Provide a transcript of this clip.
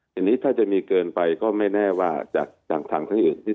ทีนี้ถ้าจะมีเกินไปก็ไม่แน่ว่าจากทางท่านอื่นที่